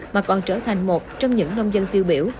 mà còn trở thành một trong những nông dân tiêu biểu